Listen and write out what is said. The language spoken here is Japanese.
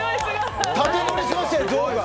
縦ノリしましたよ！